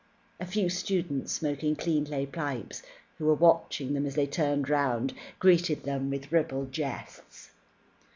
A few students, smoking clean clay pipes, who were watching them as they turned round, greeted them with ribald jests.